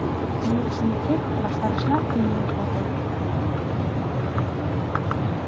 Миен шумекет, ваштарешна имньым колтет.